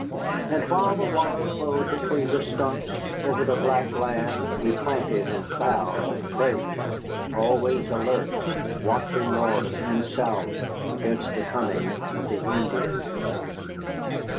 And while the water flowed between the stumps over the black land, we planted and ploughed and prayed, always alert, watching north and south, against the coming of the Indians.